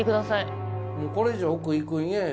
もうこれ以上奥行くん嫌や。